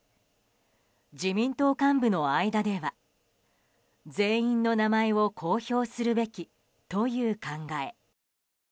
自民党幹部の間では全員の名前を公表するべきという考え。